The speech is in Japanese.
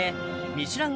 ミシュラン